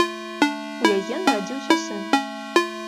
У яе нарадзіўся сын.